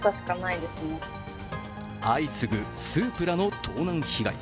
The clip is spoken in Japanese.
相次ぐスープラの盗難被害。